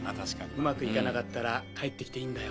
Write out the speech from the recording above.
うまく行かなかったら帰って来ていいんだよ。